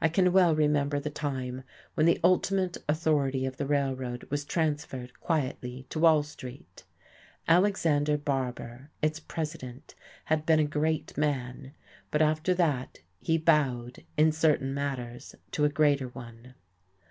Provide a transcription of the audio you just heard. I can well remember the time when the ultimate authority of our Railroad was transferred, quietly, to Wall Street. Alexander Barbour, its president, had been a great man, but after that he bowed, in certain matters, to a greater one.